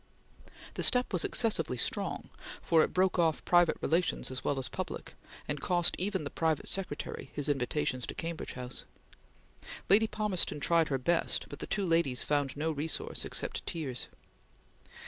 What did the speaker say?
The step was excessively strong, for it broke off private relations as well as public, and cost even the private secretary his invitations to Cambridge House. Lady Palmerston tried her best, but the two ladies found no resource except tears.